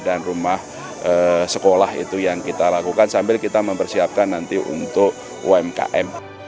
dan rumah sekolah itu yang kita lakukan sambil kita mempersiapkan nanti untuk umkm